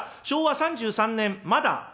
昭和３３年まだ」。